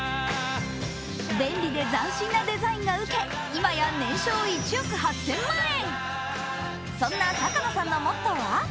便利で斬新なデザインが受け、今や年商１億８０００万円。